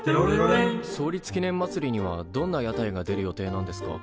創立記念まつりにはどんな屋台が出る予定なんですか？